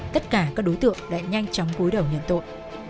tất cả các đối tượng đã nhanh chóng cuối đầu nhận tội